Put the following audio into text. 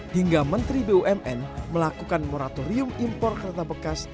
hingga menteri bumn melakukan moratorium impor kereta bekas